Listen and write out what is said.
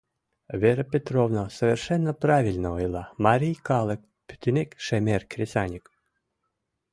Вера Петровна совершенно правильно ойла: марий калык — пӱтынек шемер кресаньык.